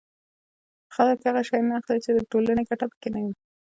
خلک هغه شی نه اخلي چې د ټولنې ګټه پکې نه وي